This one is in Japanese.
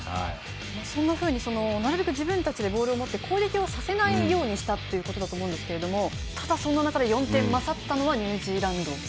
そんなふうになるべく自分たちでボールを持ち攻撃をさせないようにしたということだと思いますがただ、そんな中で４点勝ったのはニュージーランド。